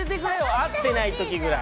会ってない時ぐらい。